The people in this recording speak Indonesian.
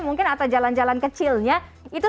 mungkin atau jalan jalan kecilnya itu